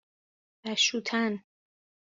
بَشوتن